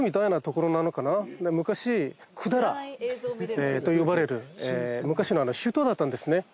昔百済と呼ばれる昔の首都だったんですね。